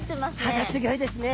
歯がすギョいですね。